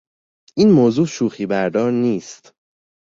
این موضوع شوخیبردار نیست.